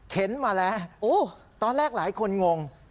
มาแล้วตอนแรกหลายคนงง